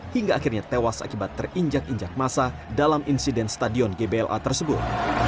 hingga akhirnya tewas akibat terinjak injak masa dalam insiden stadion gbla tersebut